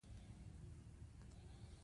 احمد د سارا پېغلتوب واخيست.